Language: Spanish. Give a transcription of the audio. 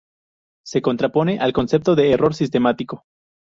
Se contrapone al concepto de error sistemático.